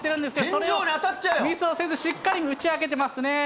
それをミスをせずしっかり打ち分けてますね。